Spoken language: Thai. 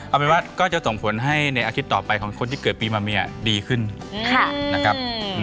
เอาเป็นว่าก็จะส่งผลให้ในอาทิตย์ต่อไปของคนที่เกิดปีมาเมียดีขึ้นนะครับ